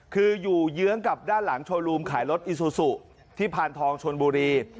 คืออยู่เยื้องกับด้านหลังโชว์รูมขายรถอีซูซูที่พานทองชนบุรี